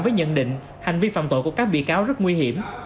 với nhận định hành vi phạm tội của các bị cáo rất nguy hiểm